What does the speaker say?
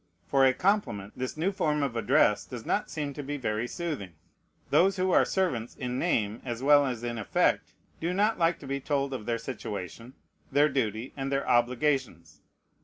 For a compliment, this new form of address does not seem to be very soothing. Those who are servants in name, as well as in effect, do not like to be told of their situation, their duty, and their obligations.